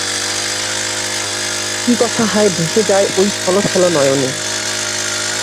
কী কথা হায় ভেসে যায় ওই ছলছল নয়নে!